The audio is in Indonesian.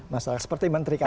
masalah seperti menteri kami